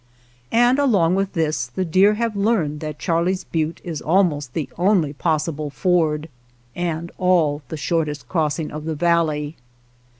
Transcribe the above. And along with this the deer have learned that Charley's Butte is almost the only possible ford, and all the shortest crossing of the valley.